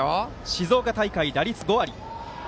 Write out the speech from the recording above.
静岡大会、打率５割。